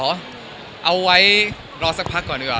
มิตเต้นเหรอเอาไว้รอสักพักก่อนดีกว่า